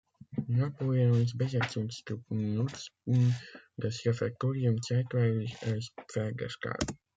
Napoleons Besatzungstruppen nutzten das Refektorium zeitweilig als Pferdestall.